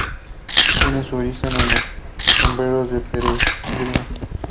Tiene su origen en los sombreros de peregrino.